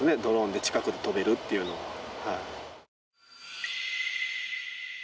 ドローンで近くを飛べるっていうのは。